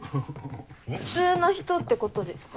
普通な人ってことですか？